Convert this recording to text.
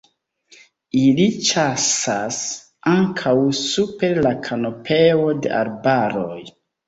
Ili ĉasas ankaŭ super la kanopeo de arbaroj.